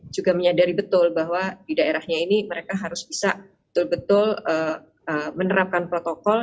juga menyadari betul bahwa di daerahnya ini mereka harus bisa betul betul menerapkan protokol